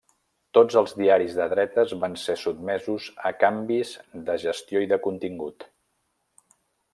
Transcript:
Tots els diaris de dretes van ser sotmesos a canvis de gestió i de contingut.